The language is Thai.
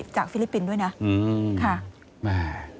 ฟิลิปปินส์ด้วยนะ